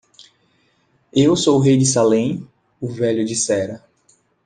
"Eu sou o rei de Salem?" o velho dissera.